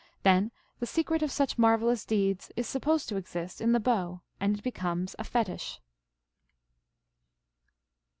Then the secret of such marvelous deeds is supposed to exist in the bow, and it becomes a fetich.